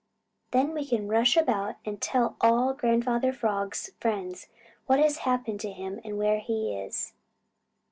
"Then we can rush about and tell all Grandfather Frog's friends what has happened to him and where he is.